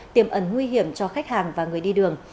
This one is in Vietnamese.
tiềm ẩn nguy hiểm cho khách hàng và người đi đường